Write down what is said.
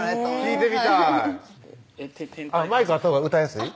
聴いてみたいマイクあったほうが歌いやすい？